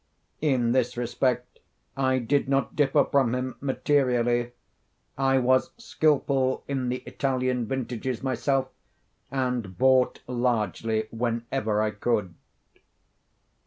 In this respect I did not differ from him materially: I was skilful in the Italian vintages myself, and bought largely whenever I could.